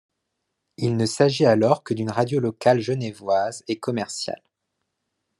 Il ne s'agit alors que d'une radio locale genevoise et commerciale.